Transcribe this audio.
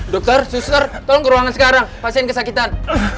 dokter suster tolong ke ruangan sekarang pasien kesakitan